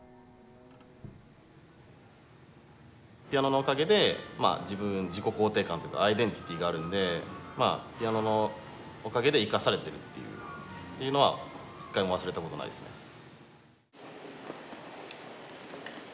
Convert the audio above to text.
ピアノのおかげでまあ自分自己肯定感というかアイデンティティーがあるんでまあピアノのおかげで生かされてるっていうのは一回も忘れたことないですね。